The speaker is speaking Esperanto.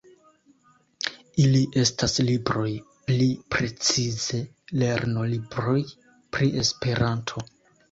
Ili estas libroj, pli precize lernolibroj, pri Esperanto.